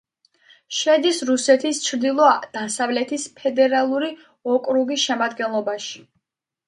შედის რუსეთის ჩრდილო-დასავლეთის ფედერალური ოკრუგის შემადგენლობაში.